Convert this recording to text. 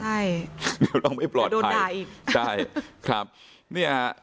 ใช่เดี๋ยวเราไม่ปล่อยโดนด่าอีกใช่ครับเนี่ยฮะ